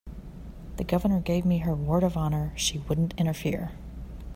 The Governor gave me her word of honor she wouldn't interfere.